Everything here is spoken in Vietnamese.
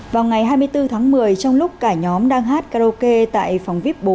vào ngày hai mươi bốn tháng một mươi trong lúc cả nhóm đang hát karaoke tại phòng vip bốn